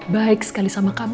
baik sekali sama kamu